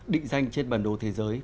định danh trên bản đồ thế giới